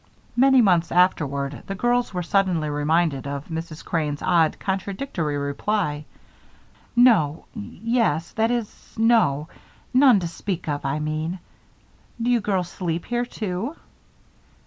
Many months afterward the girls were suddenly reminded of Mrs. Crane's odd, contradictory reply: "No Yes that is, no. None to speak of, I mean. Do you girls sleep here, too?"